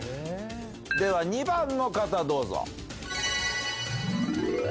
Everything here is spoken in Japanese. では２番の方どうぞ。